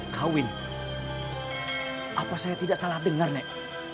kawin apa saya tidak salah dengar nek